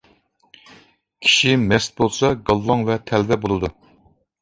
كىشى مەست بولسا گالۋاڭ ۋە تەلۋە بولىدۇ.